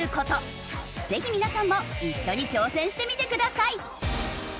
ぜひ皆さんも一緒に挑戦してみてください。